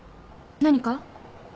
何か？